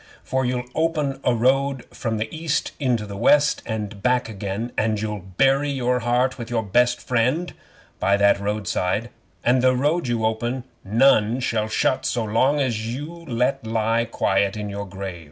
For you'll open a road from the East unto the West, and back again, and you'll bury your heart with your best friend by that road side, and the road you open none shall shut so long as you're let lie quiet in your grave."